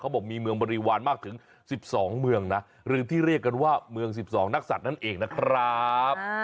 บอกมีเมืองบริวารมากถึง๑๒เมืองนะหรือที่เรียกกันว่าเมือง๑๒นักศัตริย์นั่นเองนะครับ